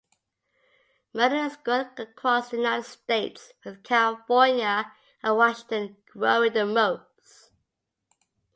Merlot is grown across the United States with California and Washington growing the most.